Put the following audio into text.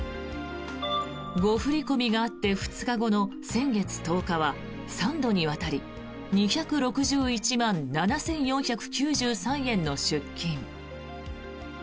誤振り込みがあって２日後の先月１０日は３度にわたり２６１万７４９３円の出金。